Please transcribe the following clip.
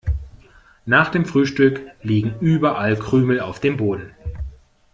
Nach dem Frühstück liegen überall Krümel auf dem Boden.